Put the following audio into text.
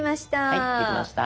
はいできました。